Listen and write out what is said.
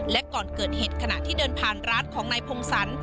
และก่อนเกิดเหตุขณะที่เดินผ่านร้านของนายพงศร